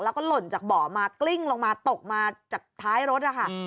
แล้วก็หล่นจากเบาะมากลิ้งลงมาตกมาจากท้ายรถนะคะ